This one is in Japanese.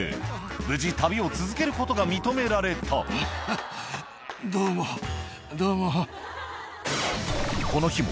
無事旅を続けることが認められたハハどうもどうも。